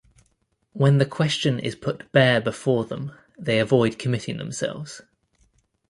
When the question is put bare before them they avoid committing themselves.